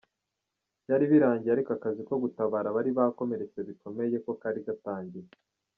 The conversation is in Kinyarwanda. Byari birangiye ariko akazi ko gutabara abari bakomeretse bikomeye ko kari gatangiye.